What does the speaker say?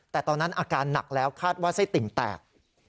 แต่ตอนนั้นอาการหนักแล้วคาดว่าไส้ติ่งแตก